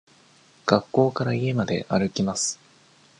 学校から家まで歩きます。